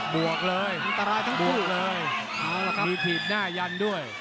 บวกเลยอันตรายทั้งคู่บวกเลยมีถีดหน้ายันด้วย